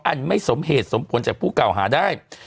ไม่สมเหตุสมผลจากผู้เก่าหาได้